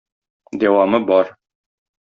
Дәвамы бар...